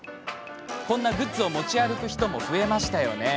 こんなグッズを持ち歩く人も増えましたよね。